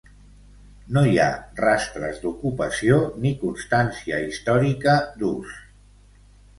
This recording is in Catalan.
No hi ha rastres d'ocupació ni constància històrica d'ús.